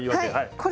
これ。